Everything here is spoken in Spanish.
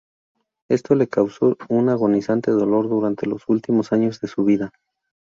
Esto le causó un agonizante dolor durante los dos últimos años de su vida.